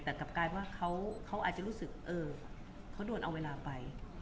แต่กลับกลายว่าเขาอาจจะรู้สึกเขาโดนเอาเวลาไป